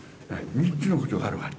３つのことがある。